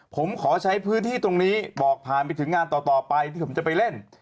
ผมขอใช้พื้นที่ตรงนี้บอกผ่านไปถึงงานต่อไปที่ผมจะไปเล่น